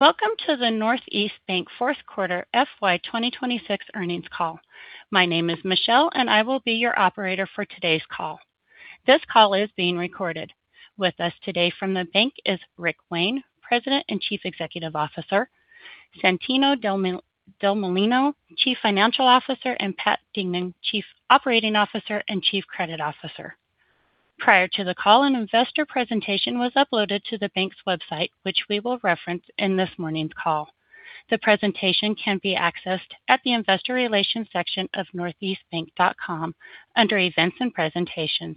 Welcome to the Northeast Bank fourth quarter FY 2026 earnings call. My name is Michelle, and I will be your operator for today's call. This call is being recorded. With us today from the bank is Rick Wayne, President and Chief Executive Officer, Santino Delmolino, Chief Financial Officer, and Pat Dignan, Chief Operating Officer and Chief Credit Officer. Prior to the call, an investor presentation was uploaded to the bank's website, which we will reference in this morning's call. The presentation can be accessed at the Investor Relations section of northeastbank.com under Events and Presentations.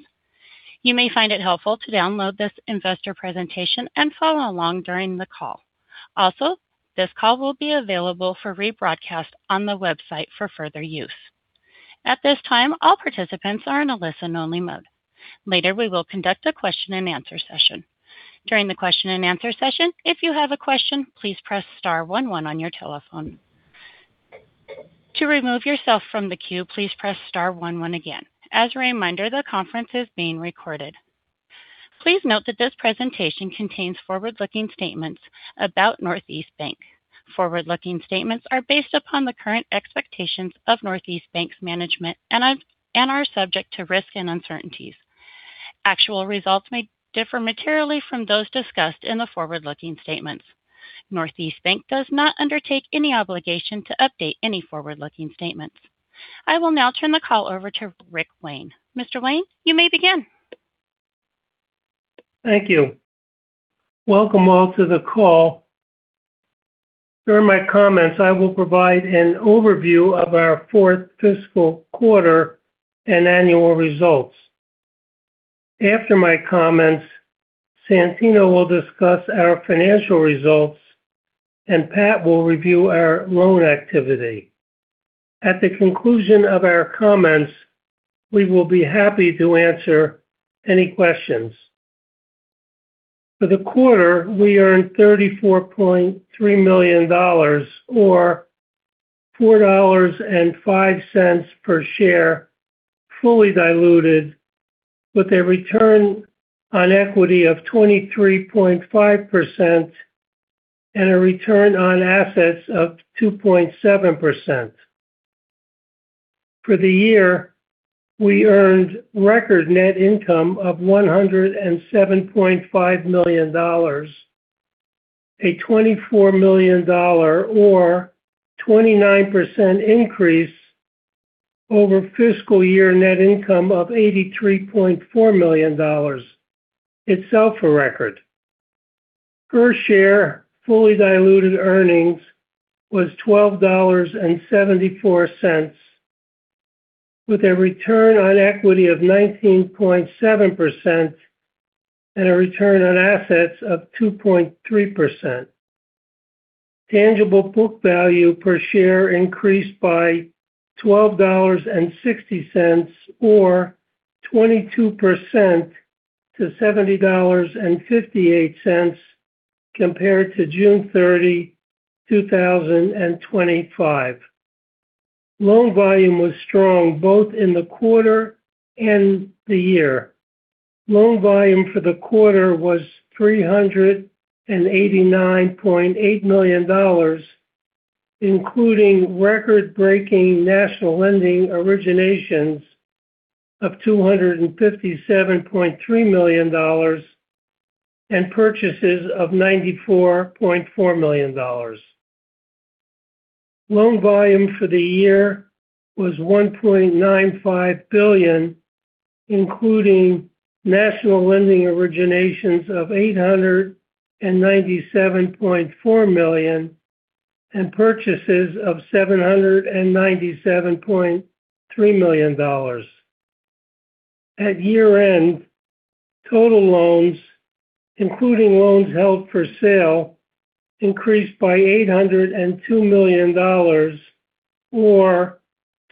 You may find it helpful to download this investor presentation and follow along during the call. Also, this call will be available for rebroadcast on the website for further use. At this time, all participants are in a listen-only mode. Later, we will conduct a question-and-answer session. During the question-and-answer session, if you have a question, please press star one one on your telephone. To remove yourself from the queue, please press star one one again. As a reminder, the conference is being recorded. Please note that this presentation contains forward-looking statements about Northeast Bank. Forward-looking statements are based upon the current expectations of Northeast Bank's management and are subject to risks and uncertainties. Actual results may differ materially from those discussed in the forward-looking statements. Northeast Bank does not undertake any obligation to update any forward-looking statements. I will now turn the call over to Rick Wayne. Mr. Wayne, you may begin. Thank you. Welcome all to the call. During my comments, I will provide an overview of our fourth fiscal quarter and annual results. After my comments, Santino will discuss our financial results, and Pat will review our loan activity. At the conclusion of our comments, we will be happy to answer any questions. For the quarter, we earned $34.3 million or $4.05 per share, fully diluted with a return on equity of 23.5% and a return on assets of 2.7%. For the year, we earned record net income of $107.5 million, a $24 million or 29% increase over fiscal year net income of $83.4 million. It is also a record. Per share fully diluted earnings was $12.74, with a return on equity of 19.7% and a return on assets of 2.3%. Tangible book value per share increased by $12.60 or 22% to $70.58 compared to June 30, 2025. Loan volume was strong both in the quarter and the year. Loan volume for the quarter was $389.8 million, including record-breaking national lending originations of $257.3 million and purchases of $94.4 million. Loan volume for the year was $1.95 billion, including national lending originations of $897.4 million and purchases of $797.3 million. At year-end, total loans, including loans held for sale, increased by $802 million or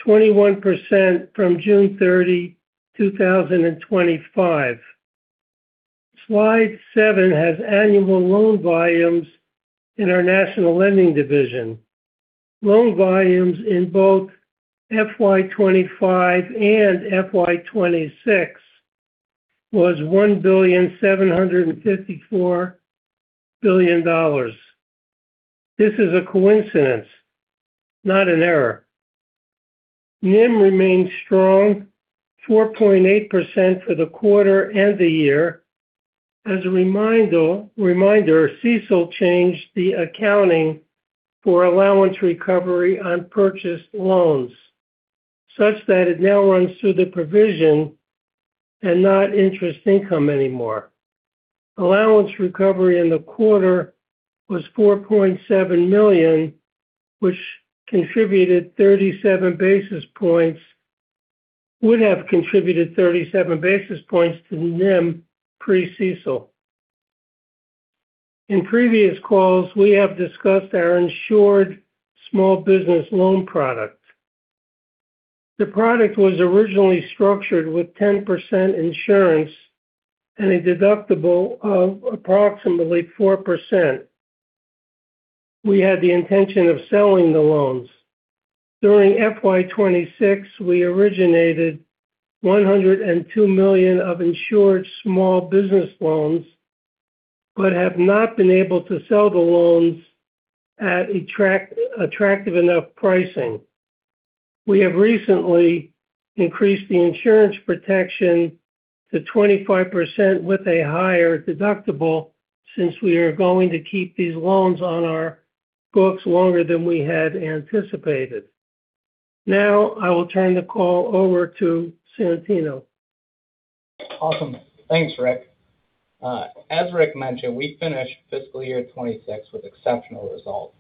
21% from June 30, 2025. Slide seven has annual loan volumes in our national lending division. Loan volumes in both FY 2025 and FY 2026 was $1.754 billion. This is a coincidence, not an error. NIM remains strong, 4.8% for the quarter and the year. As a reminder, CECL changed the accounting for allowance recovery on purchased loans such that it now runs through the provision and not interest income anymore. Allowance recovery in the quarter was $4.7 million, which would have contributed 37 basis points to NIM pre-CECL. In previous calls, we have discussed our Insured Small Business Loan Product. The product was originally structured with 10% insurance and a deductible of approximately 4%. We had the intention of selling the loans. During FY 2026, we originated $102 million of Insured Small Business Loans, but have not been able to sell the loans at attractive enough pricing. We have recently increased the insurance protection to 25% with a higher deductible since we are going to keep these loans on our books longer than we had anticipated. I will turn the call over to Santino. Awesome. Thanks, Rick. As Rick mentioned, we finished fiscal year 2026 with exceptional results.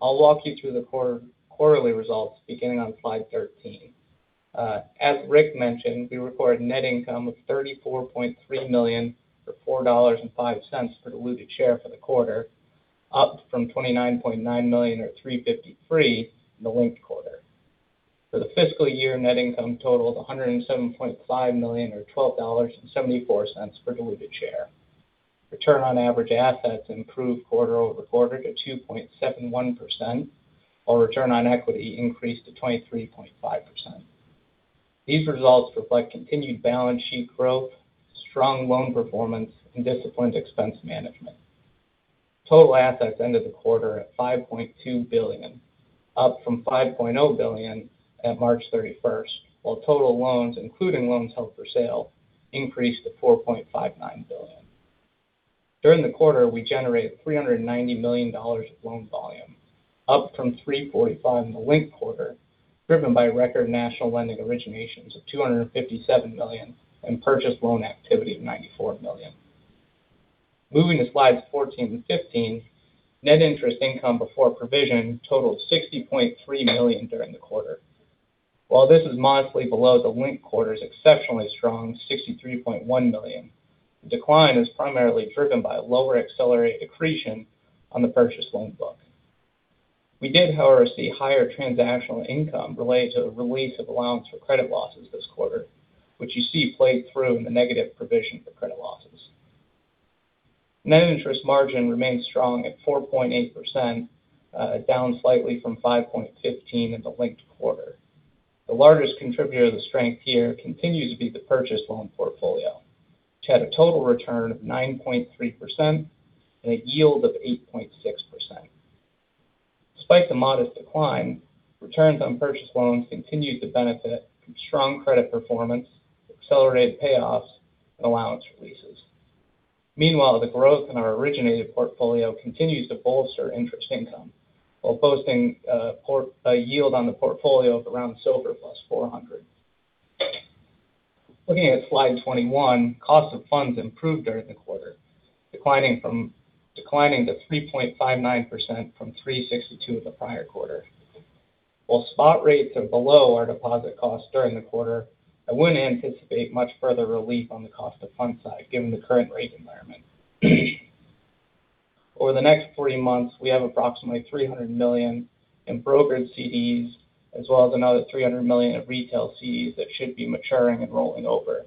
I'll walk you through the quarterly results beginning on slide 13. As Rick mentioned, we recorded net income of $34.3 million, or $4.05 for diluted share for the quarter, up from $29.9 million or $3.53 in the linked quarter. For the fiscal year, net income totaled $107.5 million or $12.74 for diluted share. Return on average assets improved quarter-over-quarter to 2.71%, while return on equity increased to 23.5%. These results reflect continued balance sheet growth, strong loan performance, and disciplined expense management. Total assets ended the quarter at $5.2 billion, up from $5.0 billion at March 31st. While total loans, including loans held for sale, increased to $4.59 billion. During the quarter, we generated $390 million of loan volume, up from $345 million in the linked quarter, driven by record national lending originations of $257 million and purchased loan activity of $94 million. Moving to slides 14 and 15, net interest income before provision totaled $60.3 million during the quarter. While this is modestly below the linked quarter's exceptionally strong $63.1 million, the decline is primarily driven by lower accelerate accretion on the purchased loan book. We did, however, see higher transactional income related to the release of allowance for credit losses this quarter, which you see played through in the negative provision for credit losses. Net interest margin remains strong at 4.8%, down slightly from 5.15% in the linked quarter. The largest contributor to the strength here continues to be the purchase loan portfolio, which had a total return of 9.3% and a yield of 8.6%. Despite the modest decline, returns on purchase loans continued to benefit from strong credit performance, accelerated payoffs, and allowance releases. Meanwhile, the growth in our originated portfolio continues to bolster interest income while posting a yield on the portfolio of around SOFR plus 400 basis points. Looking at slide 21, cost of funds improved during the quarter, declining to 3.59% from 3.62% the prior quarter. While spot rates are below our deposit costs during the quarter, I wouldn't anticipate much further relief on the cost of funds side given the current rate environment. Over the next 40 months, we have approximately $300 million in brokered CDs as well as another $300 million in retail CDs that should be maturing and rolling over.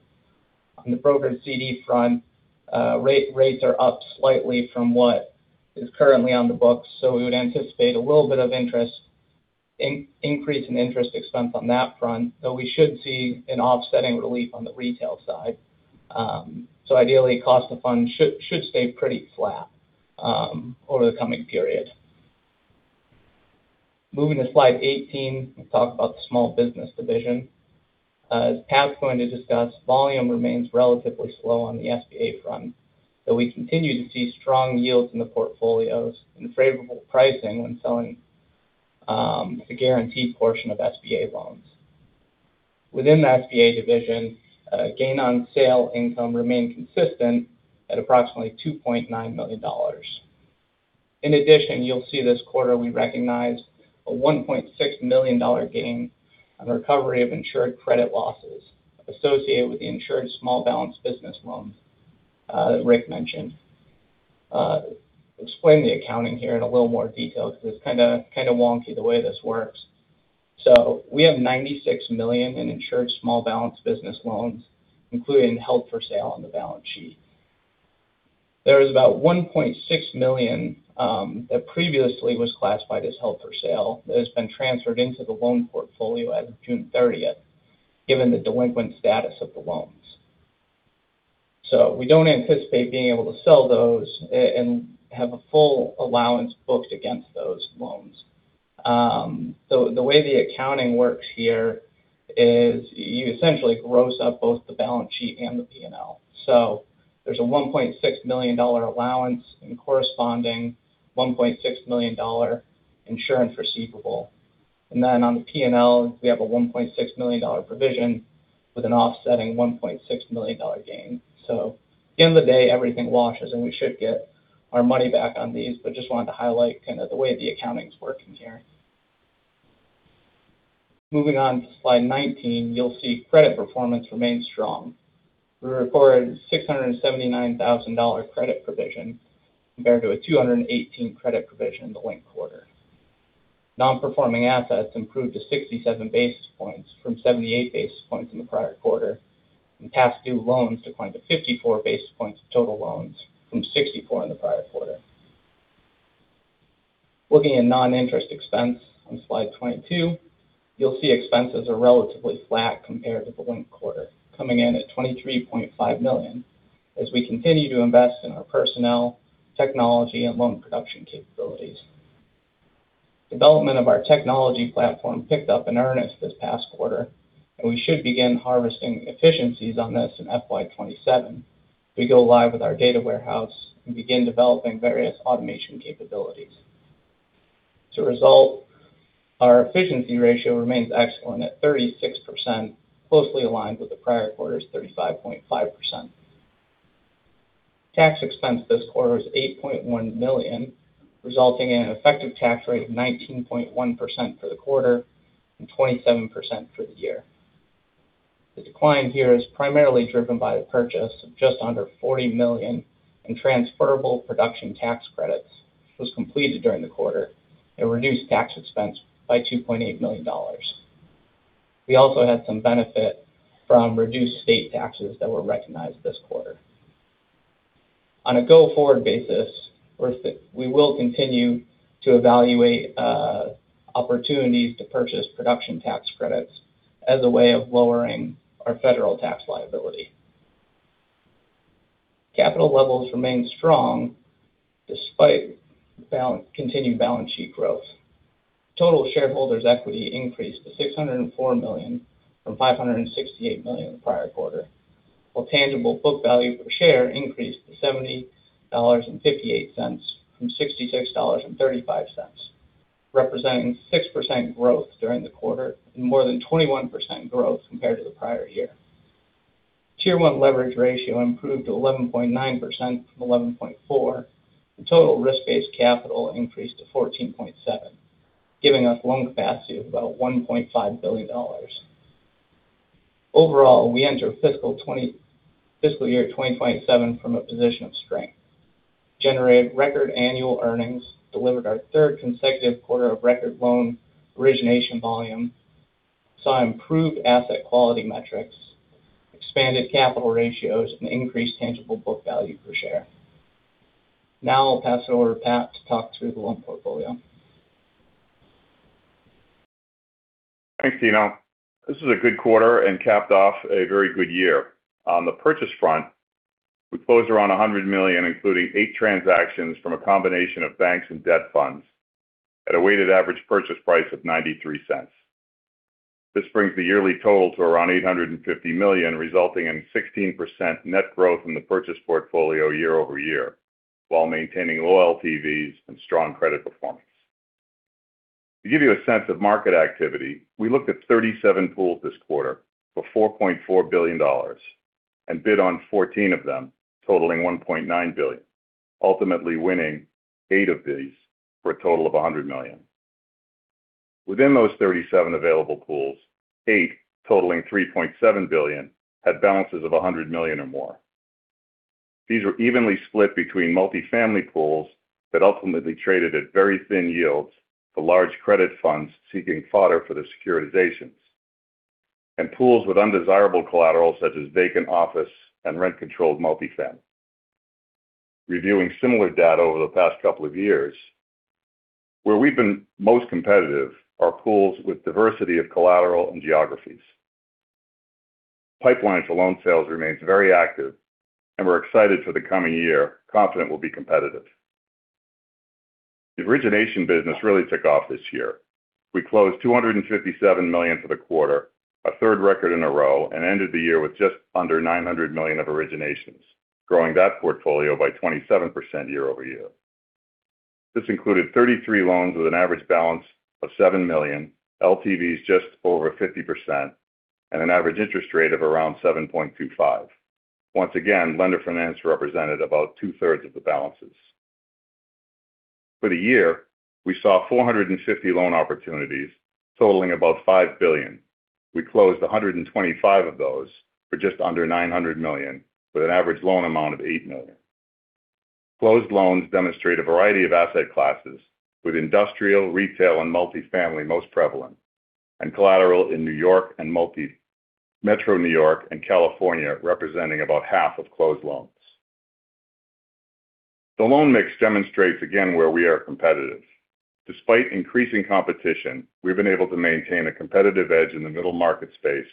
On the brokered CD front, rates are up slightly from what is currently on the books, we would anticipate a little bit of increase in interest expense on that front, though we should see an offsetting relief on the retail side. Ideally, cost of funds should stay pretty flat over the coming period. Moving to slide 18, we talk about the Small Business division. As Pat's going to discuss, volume remains relatively slow on the SBA front, though we continue to see strong yields in the portfolios and favorable pricing when selling the guaranteed portion of SBA loans. Within the SBA division, gain on sale income remained consistent at approximately $2.9 million. In addition, you'll see this quarter we recognized a $1.6 million gain on the recovery of insured credit losses associated with the insured small balance business loans that Rick mentioned. Explain the accounting here in a little more detail because it's kind of wonky the way this works. We have $96 million in insured small balance business loans, including held for sale on the balance sheet. There is about $1.6 million that previously was classified as held for sale that has been transferred into the loan portfolio as of June 30th, given the delinquent status of the loans. We don't anticipate being able to sell those and have a full allowance booked against those loans. The way the accounting works here is you essentially gross up both the balance sheet and the P&L. There's a $1.6 million allowance and corresponding $1.6 million insurance receivable. Then on the P&L, we have a $1.6 million provision with an offsetting $1.6 million gain. At the end of the day, everything washes, we should get our money back on these, but just wanted to highlight the way the accounting's working here. Moving on to slide 19, you'll see credit performance remained strong. We recorded a $679,000 credit provision compared to a $218,000 credit provision in the linked quarter. Non-performing assets improved to 67 basis points from 78 basis points in the prior quarter. Past due loans declined to 54 basis points of total loans from 64 basis points in the prior quarter. Looking at non-interest expense on slide 22, you'll see expenses are relatively flat compared to the linked quarter, coming in at $23.5 million, as we continue to invest in our personnel, technology, and loan production capabilities. Development of our technology platform picked up in earnest this past quarter, and we should begin harvesting efficiencies on this in FY 2027. We go live with our data warehouse and begin developing various automation capabilities. As a result, our efficiency ratio remains excellent at 36%, closely aligned with the prior quarter's 35.5%. Tax expense this quarter is $8.1 million, resulting in an effective tax rate of 19.1% for the quarter and 27% for the year. The decline here is primarily driven by the purchase of just under $40 million in transferable production tax credits, which was completed during the quarter. It reduced tax expense by $2.8 million. We also had some benefit from reduced state taxes that were recognized this quarter. On a go-forward basis, we will continue to evaluate opportunities to purchase production tax credits as a way of lowering our federal tax liability. Capital levels remain strong despite continued balance sheet growth. Total shareholders' equity increased to $604 million from $568 million in the prior quarter, while tangible book value per share increased to $70.58 from $66.35, representing 6% growth during the quarter and more than 21% growth compared to the prior year. Tier 1 leverage ratio improved to 11.9% from 11.4%, and total risk-based capital increased to 14.7%, giving us loan capacity of about $1.5 billion. Overall, we enter fiscal year 2027 from a position of strength, generate record annual earnings, delivered our third consecutive quarter of record loan origination volume, saw improved asset quality metrics, expanded capital ratios, and increased tangible book value per share. Now I'll pass it over to Pat to talk through the loan portfolio. Thanks, Tino. This is a good quarter and capped off a very good year. On the purchase front, we closed around $100 million, including eight transactions from a combination of banks and debt funds at a weighted average purchase price of $0.93. This brings the yearly total to around, resulting in 16% net growth in the purchase portfolio year-over-year, while maintaining low LTVs and strong credit performance. To give you a sense of market activity, we looked at 37 pools this quarter for $4.4 billion and bid on 14 of them, totaling $1.9 billion, ultimately winning eight of these for a total of $100 million. Within those 37 available pools, eight totaling $3.7 billion, had balances of $100 million or more. These were evenly split between multifamily pools that ultimately traded at very thin yields for large credit funds seeking fodder for the securitizations, and pools with undesirable collateral such as vacant office and rent-controlled multifamily. Reviewing similar data over the past couple of years, where we've been most competitive are pools with diversity of collateral and geographies. Pipeline for loan sales remains very active, and we're excited for the coming year, confident we'll be competitive. The origination business really took off this year. We closed $257 million for the quarter, a third record in a row, and ended the year with just under $900 million of originations, growing that portfolio by 27% year-over-year. This included 33 loans with an average balance of $7 million, LTVs just over 50%, and an average interest rate of around 7.25%. Once again, lender finance represented about two-thirds of the balances. For the year, we saw 450 loan opportunities totaling about $5 billion. We closed 125 of those for just under $900 million, with an average loan amount of $8 million. Closed loans demonstrate a variety of asset classes, with industrial, retail, and multifamily most prevalent, and collateral in Metro New York and California representing about half of closed loans. The loan mix demonstrates again where we are competitive. Despite increasing competition, we've been able to maintain a competitive edge in the middle market space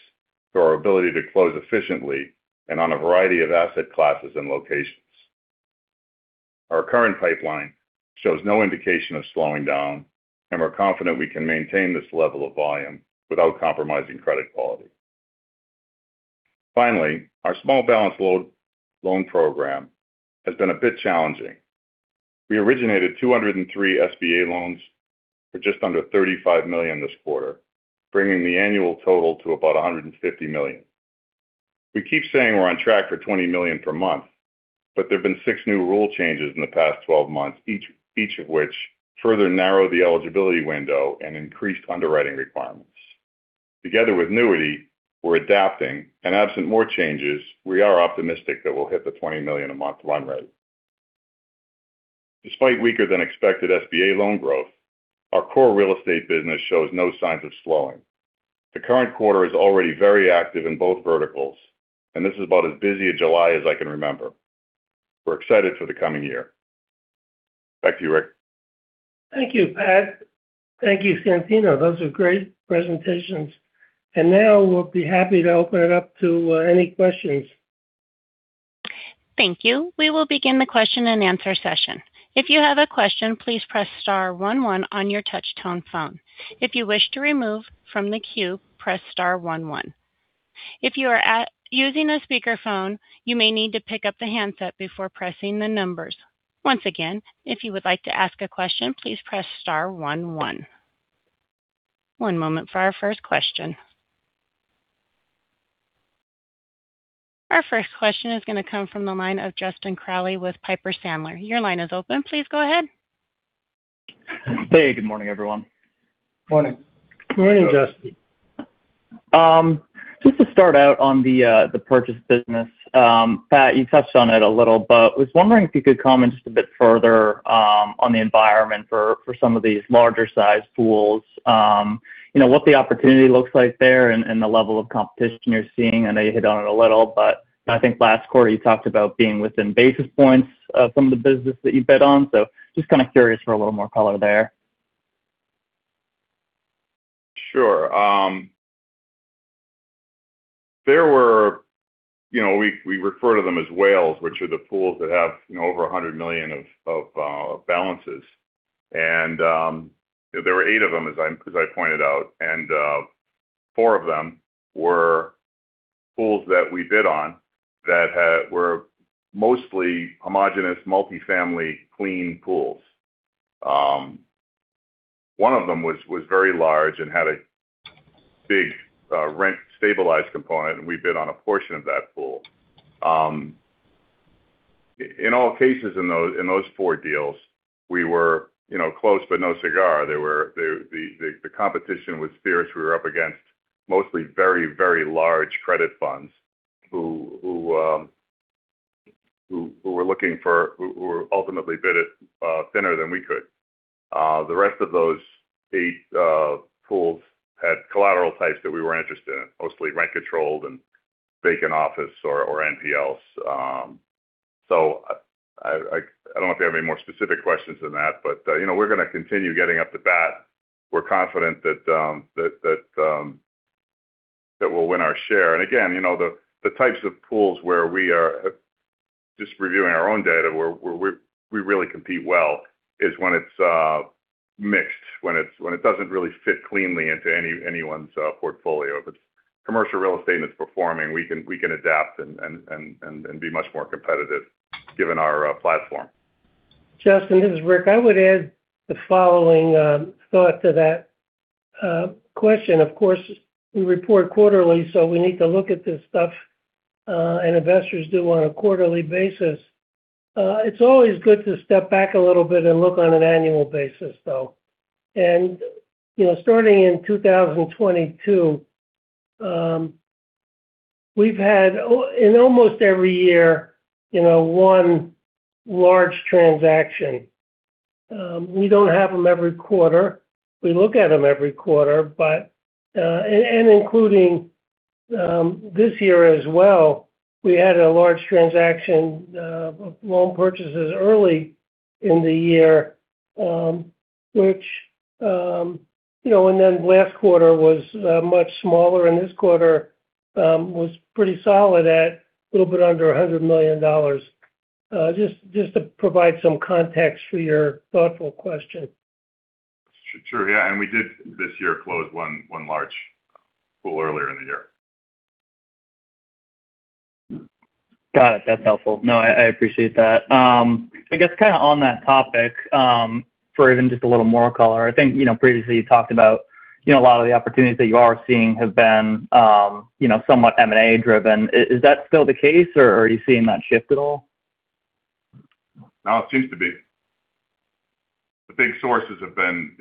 through our ability to close efficiently and on a variety of asset classes and locations. Our current pipeline shows no indication of slowing down, and we're confident we can maintain this level of volume without compromising credit quality. Finally, our small balance loan program has been a bit challenging. We originated 203 SBA loans for just under $35 million this quarter, bringing the annual total to about $150 million. We keep saying we're on track for $20 million per month, but there have been six new rule changes in the past 12 months, each of which further narrowed the eligibility window and increased underwriting requirements. Together with NEWITY, we're adapting. Absent more changes, we are optimistic that we'll hit the $20 million-a-month run-rate. Despite weaker than expected SBA loan growth, our core real estate business shows no signs of slowing. The current quarter is already very active in both verticals. This is about as busy a July as I can remember. We're excited for the coming year. Back to you, Rick. Thank you, Pat. Thank you, Santino. Those are great presentations. Now we'll be happy to open it up to any questions. Thank you. We will begin the question-and-answer session. If you have a question, please press star one one on your touch-tone phone. If you wish to remove from the queue, press star one one. If you are using a speakerphone, you may need to pick up the handset before pressing the numbers. Once again, if you would like to ask a question, please press star one one. One moment for our first question. Our first question is going to come from the line of Justin Crowley with Piper Sandler. Your line is open. Please go ahead. Hey, good morning, everyone. Morning. Morning, Justin. To start out on the purchase business, Pat, you touched on it a little, but was wondering if you could comment just a bit further on the environment for some of these larger-size pools. What the opportunity looks like there and the level of competition you're seeing. I know you hit on it a little, but I think last quarter you talked about being within basis points of some of the business that you bid on. Just kind of curious for a little more color there. Sure. We refer to them as whales, which are the pools that have over $100 million of balances. There were eight of them as I pointed out, and four of them were pools that we bid on that were mostly homogenous, multifamily clean pools. One of them was very large and had a big rent-stabilized component, and we bid on a portion of that pool. In all cases in those four deals, we were close, but no cigar. The competition was fierce. We were up against mostly very large credit funds who ultimately bid it thinner than we could. The rest of those eight pools had collateral types that we weren't interested in. Mostly rent controlled and vacant office or NPLs. I don't know if you have any more specific questions than that, but we're going to continue getting up to bat. We're confident that we'll win our share. Again, the types of pools where we are just reviewing our own data, where we really compete well is when it's mixed. When it doesn't really fit cleanly into anyone's portfolio. If it's commercial real estate and it's performing, we can adapt and be much more competitive given our platform. Justin, this is Rick. I would add the following thought to that question. Of course, we report quarterly, so we need to look at this stuff, and investors do on a quarterly basis. It's always good to step back a little bit and look on an annual basis, though. Starting in 2022, we've had, in almost every year, one large transaction. We don't have them every quarter. We look at them every quarter. Including this year as well, we had a large transaction of loan purchases early in the year, and then last quarter was much smaller and this quarter was pretty solid at a little bit under $100 million. Just to provide some context for your thoughtful question. Sure. Yeah, we did this year close one large pool earlier in the year. Got it. That's helpful. No, I appreciate that. I guess kind of on that topic, for even just a little more color, I think previously you talked about a lot of the opportunities that you are seeing have been somewhat M&A-driven. Is that still the case, or are you seeing that shift at all? No, it seems to be. The big sources have been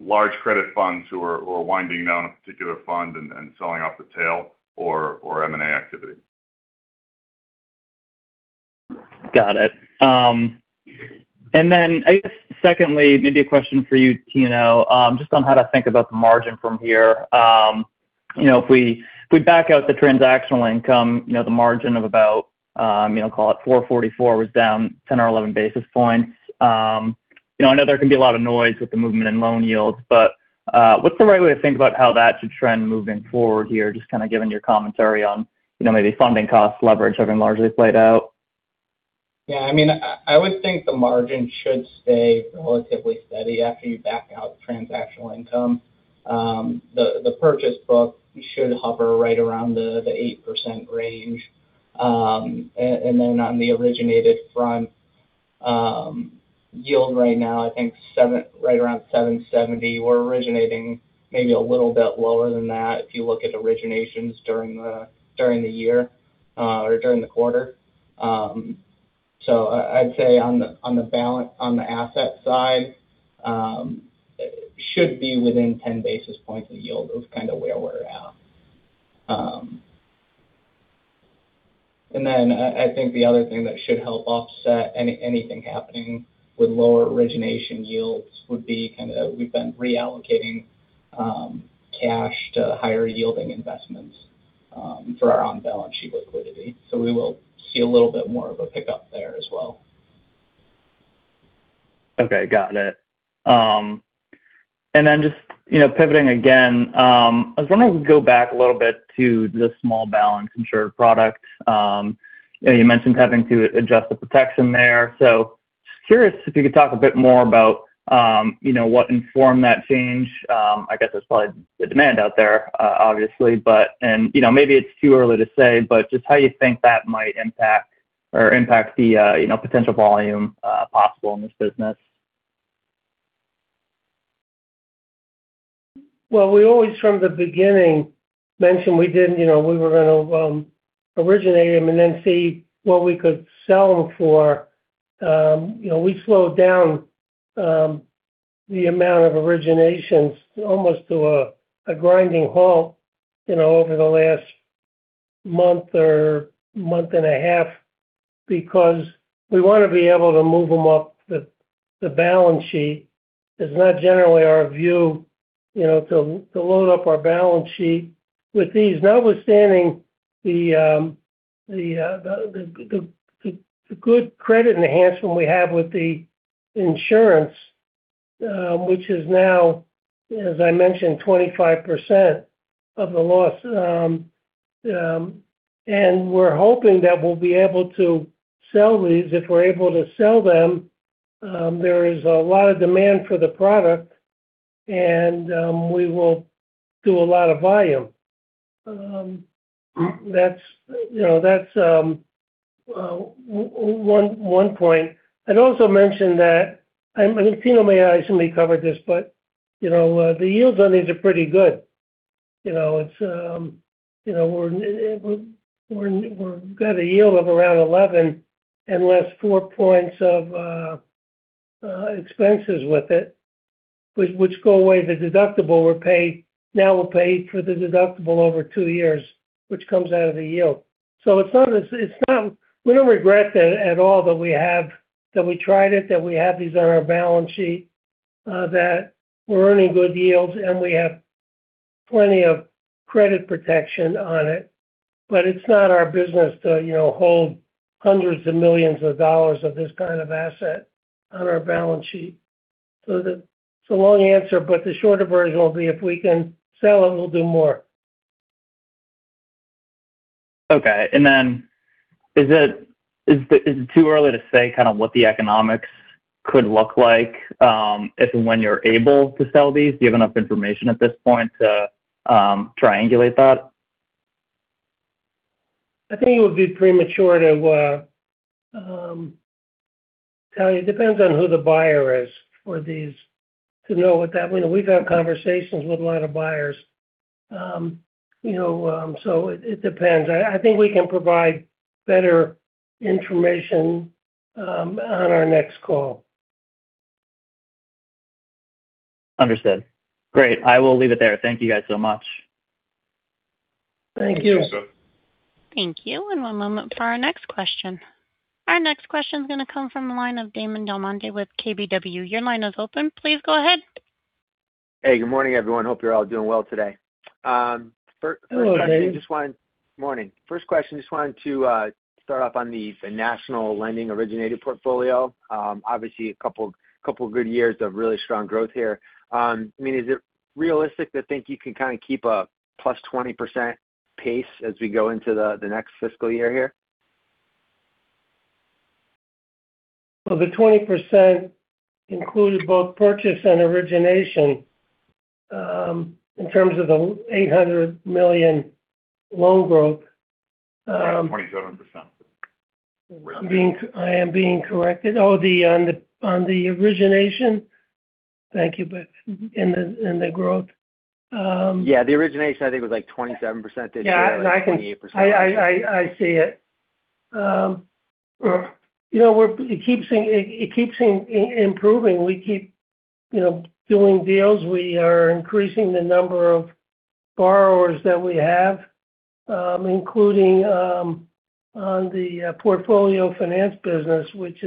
large credit funds who are winding down a particular fund and selling off the tail or M&A activity. Got it. I guess secondly, maybe a question for you, Tino, just on how to think about the margin from here. If we back out the transactional income, the margin of about, call it 4.44% was down 10 basis points or 11 basis points. I know there can be a lot of noise with the movement in loan yields, but what's the right way to think about how that should trend moving forward here, just kind of given your commentary on maybe funding costs, leverage having largely played out? Yeah, I would think the margin should stay relatively steady after you back out transactional income. The purchase book should hover right around the 8% range. On the originated front, yield right now, I think right around 7.70%. We're originating maybe a little bit lower than that if you look at originations during the year or during the quarter. I'd say on the asset side, should be within 10 basis points of yield is kind of where we're at. I think the other thing that should help offset anything happening with lower origination yields would be kind of we've been reallocating cash to higher-yielding investments for our on-balance sheet liquidity. We will see a little bit more of a pickup there as well. Okay. Got it. Just pivoting again, I was wondering if we could go back a little bit to the small balance insured product. You mentioned having to adjust the protection there. Curious if you could talk a bit more about what informed that change. I guess there's probably the demand out there, obviously, but maybe it's too early to say, but just how you think that might impact the potential volume possible in this business. Well, we always, from the beginning, mentioned we were going to originate them and then see what we could sell them for. We slowed down the amount of originations almost to a grinding halt over the last month or month and a half, because we want to be able to move them up the balance sheet. It's not generally our view to load up our balance sheet with these. Notwithstanding the good credit enhancement we have with the insurance, which is now, as I mentioned, 25% of the loss. We're hoping that we'll be able to sell these. If we're able to sell them, there is a lot of demand for the product, and we will do a lot of volume. That's one point. I'd also mention that, and Tino may actually covered this, but the yields on these are pretty good. We've got a yield of around 11% and less 4 points of expenses with it, which go away. The deductible, now we'll pay for the deductible over two years, which comes out of the yield. We don't regret that at all that we tried it, that we have these on our balance sheet, that we're earning good yields, and we have plenty of credit protection on it. It's not our business to hold hundreds of millions of dollars of this kind of asset on our balance sheet. It's a long answer, but the shorter version will be if we can sell them, we'll do more. Okay. Is it too early to say kind of what the economics could look like if and when you're able to sell these? Do you have enough information at this point to triangulate that? I think it would be premature to tell you. It depends on who the buyer is for these to know at that point. We've had conversations with a lot of buyers. It depends. I think we can provide better information on our next call. Understood. Great. I will leave it there. Thank you guys so much. Thank you. Thank you. Thank you. One moment for our next question. Our next question is going to come from the line of Damon DelMonte with KBW. Your line is open. Please go ahead. Hey, good morning, everyone. Hope you're all doing well today. Good morning. Morning. First question, just wanted to start off on the national lending originated portfolio. Obviously, a couple of good years of really strong growth here. Is it realistic to think you can kind of keep a plus 20% pace as we go into the next fiscal year here? Well, the 20% included both purchase and origination, in terms of the $800 million loan growth. 27%. I am being corrected on the origination. Thank you. Yeah, the origination, I think, was like 27% this year, like 28%. I see it. It keeps improving. We keep doing deals. We are increasing the number of borrowers that we have, including on the portfolio finance business, which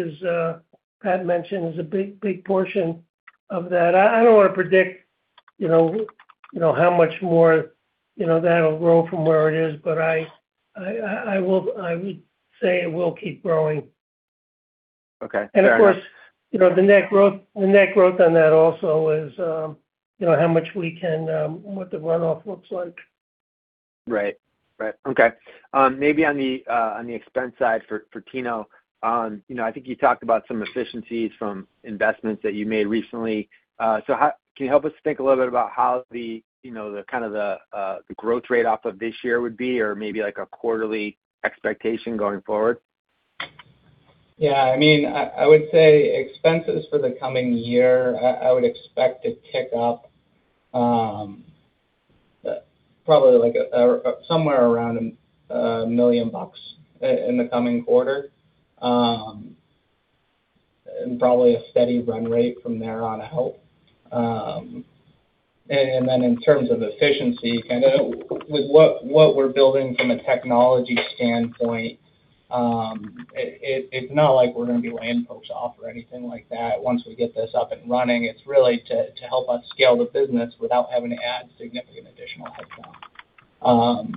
Pat mentioned is a big portion of that. I don't want to predict how much more that'll grow from where it is, but I would say it will keep growing. Okay, fair enough. Of course, the net growth on that also is what the runoff looks like. Right. Okay. Maybe on the expense side for Tino. I think you talked about some efficiencies from investments that you made recently. Can you help us think a little bit about how the kind of the growth rate off of this year would be or maybe like a quarterly expectation going forward? Yeah. I would say expenses for the coming year, I would expect to kick up probably like somewhere around $1 million in the coming quarter. Probably a steady run-rate from there on out. In terms of efficiency, with what we're building from a technology standpoint, it's not like we're going to be laying folks off or anything like that once we get this up and running. It's really to help us scale the business without having to add significant additional headcount.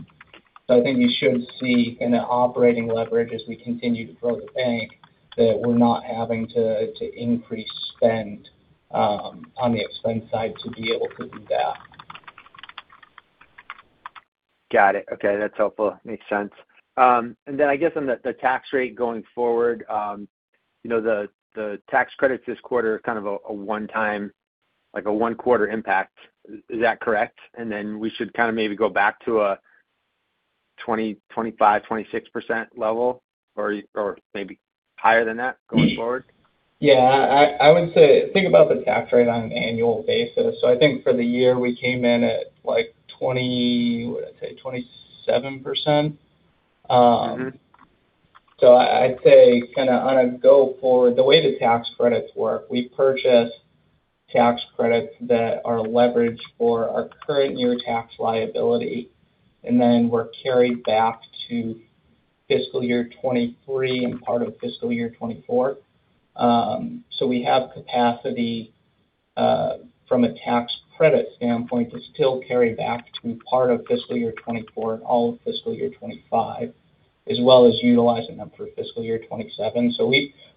I think you should see in the operating leverage, as we continue to grow the bank, that we're not having to increase spend on the expense side to be able to do that. Got it. Okay. That's helpful. Makes sense. I guess on the tax rate going forward, the tax credits this quarter, kind of a one-time, like a one-quarter impact. Is that correct? Then we should maybe go back to a 20%, 25%, 26% level? Maybe higher than that going forward? Yeah. I would say think about the tax rate on an annual basis. I think for the year, we came in at 20%, what did I say? 27%. I'd say go forward, the way the tax credits work, we purchase tax credits that are leveraged for our current year tax liability, and then we're carried back to fiscal year 2023 and part of fiscal year 2024. We have capacity from a tax credit standpoint to still carry back to part of fiscal year 2024 and all of fiscal year 2025, as well as utilizing them through fiscal year 2027.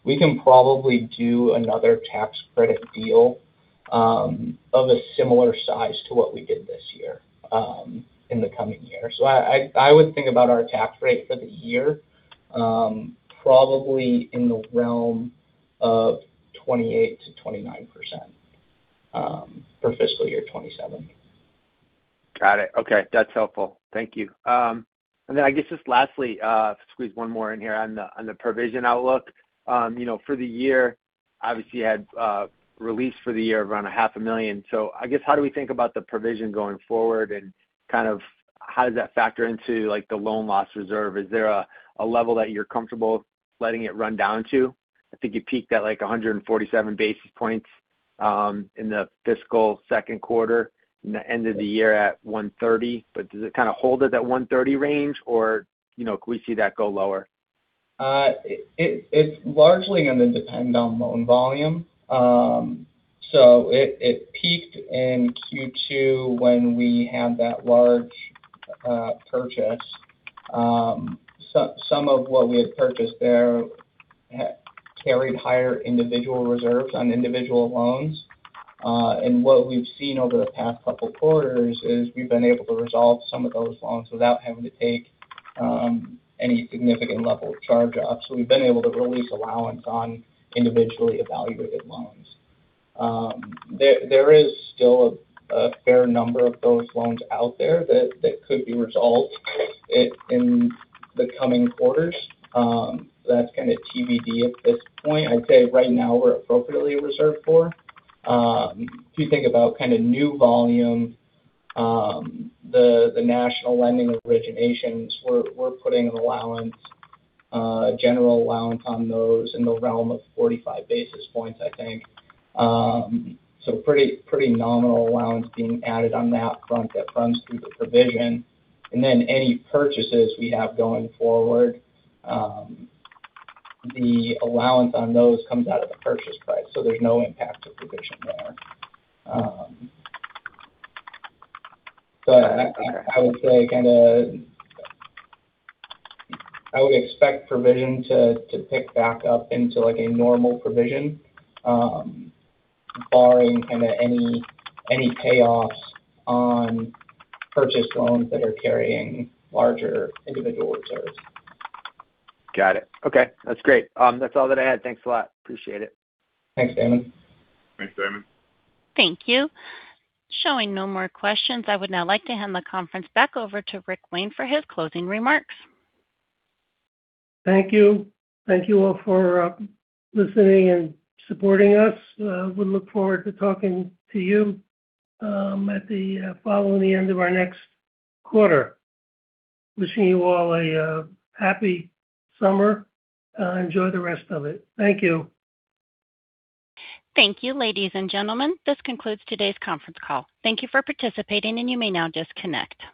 We can probably do another tax credit deal of a similar size to what we did this year in the coming year. I would think about our tax rate for the year probably in the realm of 28%-29% for fiscal year 2027. Got it. Okay, that's helpful. Thank you. I guess just lastly, if I squeeze one more in here on the provision outlook. For the year, obviously you had release for the year of around a $500,000. I guess how do we think about the provision going forward, and how does that factor into the loan loss reserve? Is there a level that you're comfortable letting it run down to? I think it peaked at 147 basis points in the fiscal Q2 and the end of the year at 130 basis points. Does it kind of hold it at 130 basis points range or could we see that go lower? It's largely going to depend on loan volume. It peaked in Q2 when we had that large purchase. Some of what we had purchased there carried higher individual reserves on individual loans. What we've seen over the past couple quarters is we've been able to resolve some of those loans without having to take any significant level of charge-offs. We've been able to release allowance on individually evaluated loans. There is still a fair number of those loans out there that could be resolved in the coming quarters. That's kind of TBD at this point. I'd say right now we're appropriately reserved for. If you think about new volume, the national lending originations, we're putting an allowance, a general allowance on those in the realm of 45 basis points, I think. Pretty nominal allowance being added on that front that runs through the provision. Any purchases we have going forward, the allowance on those comes out of the purchase price, so there's no impact to provision there. I would say I would expect provision to pick back up into a normal provision barring any payoffs on purchased loans that are carrying larger individual reserves. Got it. Okay, that's great. That's all that I had. Thanks a lot. Appreciate it. Thanks, Damon. Thanks, Damon. Thank you. Showing no more questions, I would now like to hand the conference back over to Rick Wayne for his closing remarks. Thank you. Thank you all for listening and supporting us. We look forward to talking to you at the following end of our next quarter. Wishing you all a happy summer. Enjoy the rest of it. Thank you. Thank you, ladies and gentlemen. This concludes today's conference call. Thank you for participating and you may now disconnect. Goodbye.